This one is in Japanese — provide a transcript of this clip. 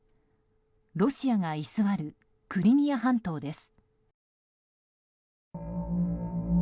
ロシアが居座るクリミア半島です。